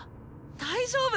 大丈夫！